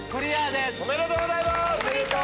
おめでとうございます！